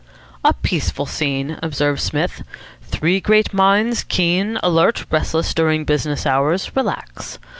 "A peaceful scene," observed Psmith. "Three great minds, keen, alert, restless during business hours, relax.